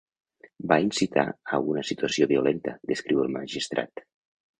Va incitar a una situació violenta, descriu el magistrat.